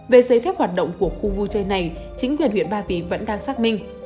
về giấy phép hoạt động của khu vui chơi này chính quyền huyện ba vì vẫn đang xác minh